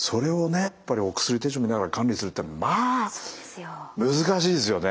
やっぱりお薬手帳見ながら管理するっていうのはまあ難しいですよね。